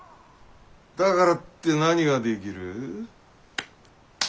だからって何ができる？